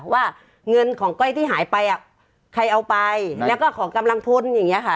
ว่าเงินของก้อยที่หายไปอ่ะใครเอาไปแล้วก็ของกำลังพลอย่างนี้ค่ะ